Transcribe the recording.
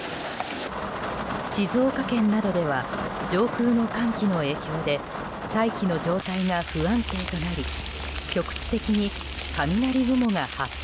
静岡県などでは上空の寒気の影響で大気の状態が不安定となり局地的に雷雲が発達。